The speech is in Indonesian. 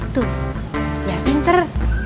tuh ya pinter